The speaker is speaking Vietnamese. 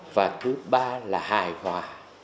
và thứ ba là hài hòa